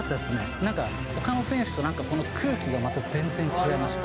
なんか、ほかの選手となんか空気がまた全然違いました。